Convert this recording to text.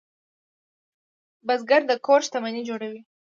بزګر د کور شتمني جوړوي